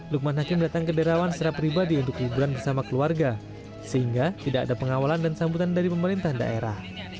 lukman hakim datang ke derawan secara pribadi untuk liburan bersama keluarga sehingga tidak ada pengawalan dan sambutan dari pemerintah daerah